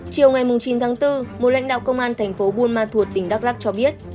chiều ngày chín tháng bốn một lãnh đạo công an thành phố buôn ma thuột tỉnh đắk lắc cho biết